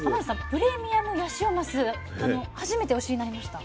プレミアムヤシオマス初めてお知りになりました？